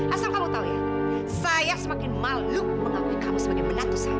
asal kamu tahu ya saya semakin malu mengakui kamu sebagai menantu saya